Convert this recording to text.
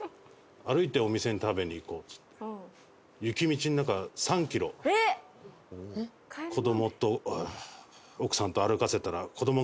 歩いてお店に食べに行こうっつって雪道の中３キロ子どもと奥さんと歩かせたら。